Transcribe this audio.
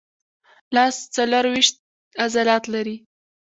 لاس څلورویشت عضلات لري.